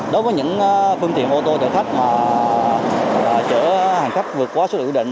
đối với những phương tiện ô tô chở khách chở hành khách vượt qua số lượng quy định